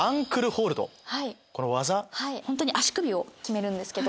ホントに足首を決めるんですけど。